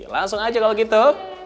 langsung aja kalau gitu